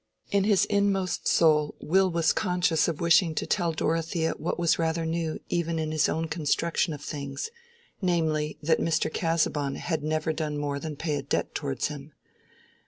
In his inmost soul Will was conscious of wishing to tell Dorothea what was rather new even in his own construction of things—namely, that Mr. Casaubon had never done more than pay a debt towards him.